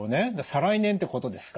再来年ってことですか？